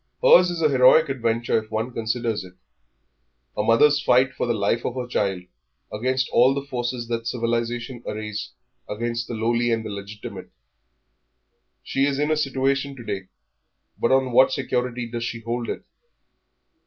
Hers is an heroic adventure if one considers it a mother's fight for the life of her child against all the forces that civilisation arrays against the lowly and the illegitimate. She is in a situation to day, but on what security does she hold it?